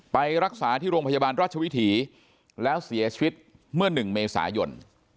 ไปรักษาที่โรงพยาบาลราชวิถีแล้วเสียชีวิตเมื่อ๑เมษายน